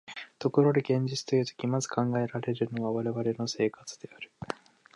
ところで現実というとき、まず考えられるのは我々の生活である。